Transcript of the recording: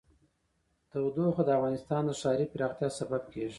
تودوخه د افغانستان د ښاري پراختیا سبب کېږي.